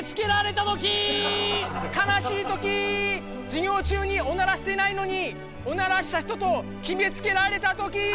授業中におならしてないのに「おならした人」と決めつけられたときー！